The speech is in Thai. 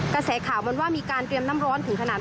กระแสข่าวมันว่ามีการเตรียมน้ำร้อนถึงขนาด